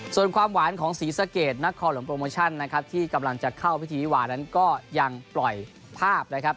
ส่วนความหวานของศรีสะเกดนักคอหลวงโปรโมชั่นนะครับที่กำลังจะเข้าพิธีวิวานั้นก็ยังปล่อยภาพนะครับ